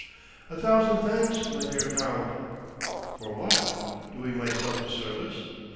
"A thousand thanks, my dear Count!" "For what? Doing myself a service?